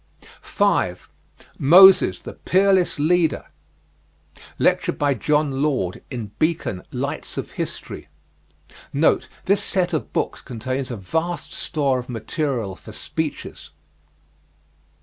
5. MOSES THE PEERLESS LEADER. Lecture by John Lord, in "Beacon Lights of History." NOTE: This set of books contains a vast store of material for speeches.